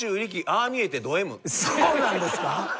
そうなんですか？